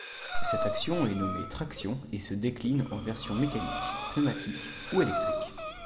Cette action est nommée traction et se décline en versions mécaniques, pneumatiques ou électriques.